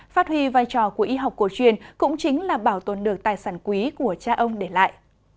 phát huy vai trò của y học cổ truyền cũng chính là bảo tồn được tài sản quý của cha ông để lại